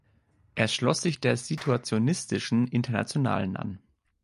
Er schloss sich der Situationistischen Internationalen an.